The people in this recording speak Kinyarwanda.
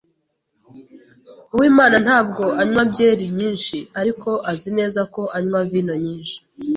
Uwimana ntabwo anywa byeri nyinshi, ariko azi neza ko anywa vino nyinshi.